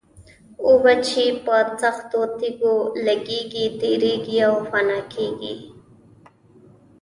اوبه چې په سختو تېږو لګېږي تېرېږي او فنا کېږي.